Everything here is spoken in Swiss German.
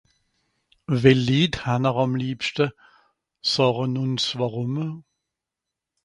well lied hann'r àm liebschte sàchen'r ùns wàrùm